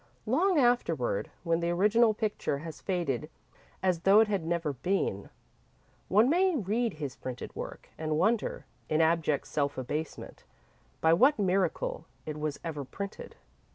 Long afterward, when the original picture has faded as though it had never been, one may read his printed work, and wonder, in abject self abasement, by what miracle it was ever printed.